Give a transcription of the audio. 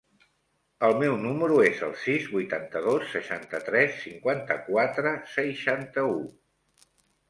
El meu número es el sis, vuitanta-dos, seixanta-tres, cinquanta-quatre, seixanta-u.